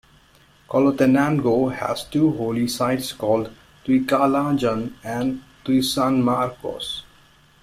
Colotenango has two holy sites called Tuikalajan and Tuisanmarcos.